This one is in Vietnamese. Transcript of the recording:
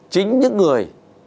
chính những người